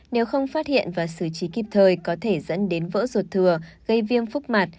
nếu không phát hiện và xử trí kịp thời có thể dẫn đến vỡ ruột thừa gây viêm phúc mặt